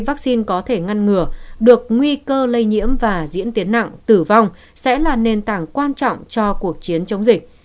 vaccine có thể ngăn ngừa được nguy cơ lây nhiễm và diễn tiến nặng tử vong sẽ là nền tảng quan trọng cho cuộc chiến chống dịch